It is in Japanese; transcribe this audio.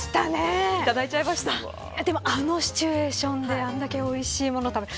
あのシチュエーションであれだけ、おいしいものを食べて